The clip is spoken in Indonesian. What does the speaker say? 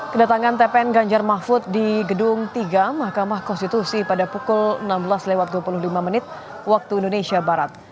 kedatangan tpn ganjar mahfud di gedung tiga mahkamah konstitusi pada pukul enam belas lewat dua puluh lima menit waktu indonesia barat